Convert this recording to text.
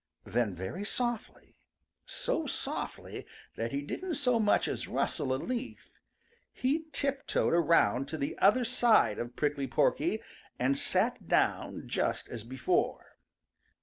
Then very softly, so softly that he didn't so much as rustle a leaf, he tiptoed around to the other side of Prickly Porky and sat down just as before.